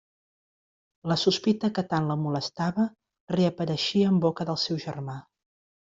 La sospita que tant la molestava reapareixia en boca del seu germà.